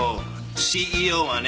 ＣＥＯはね